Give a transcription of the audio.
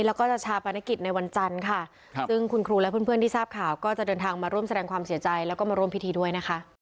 แล้วก็จะชาปนกิจในวันจันทร์ค่ะซึ่งคุณครูและเพื่อนที่ทราบข่าวก็จะเดินทางมาร่วมแสดงความเสียใจแล้วก็มาร่วมพิธีด้วยนะคะ